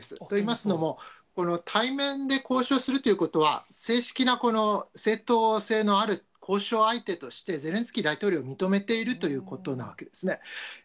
といいますのも、これを対面で交渉するということは、正式なこの正当性のある交渉相手として、ゼレンスキー大統領を認めているということなわけですね。